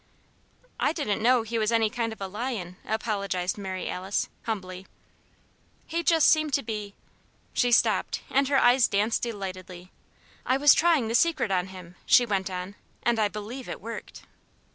"I didn't know he was any kind of a lion," apologized Mary Alice, humbly. "He just seemed to be " She stopped, and her eyes danced delightedly. "I was trying the Secret on him," she went on, "and I believe it worked."